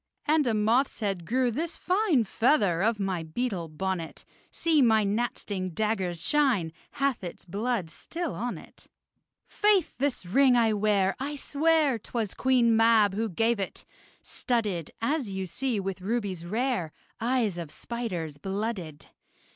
And a moth's head grew this fine Feather of my beetle bonnet; See, my gnat sting dagger's shine Hath its blood still on it. Faith! this ring I wear, I swear, 'Twas Queen Mab who gave it: studded, As you see, with rubies rare Eyes of spiders blooded.